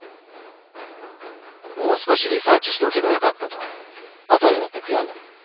もう少しリサーチしておけばよかったとあとになって悔んだ。